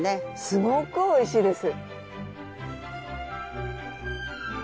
すごくおいしいです。